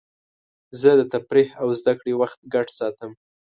زه د تفریح او زدهکړې وخت ګډ ساتم.